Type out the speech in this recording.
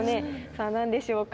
さあ何でしょうか？